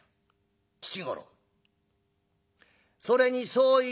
吉五郎それに相違ない」。